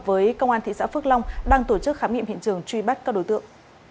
với công an thị xã phước long đang tổ chức khám nghiệm hiện trường truy bắt các đối tượng